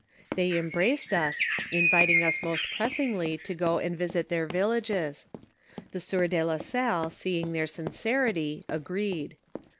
They embraced us, inviting us most pressingly to go and visit their villages ; the sienr de la Salle seeing their sincerity, agreed.